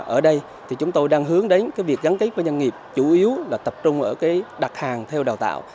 ở đây chúng tôi đang hướng đến việc gắn kết với doanh nghiệp chủ yếu là tập trung ở đặt hàng theo đào tạo